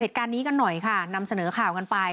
เหตุการณ์นี้กันหน่อยค่ะนำเสนอข่าวกันไป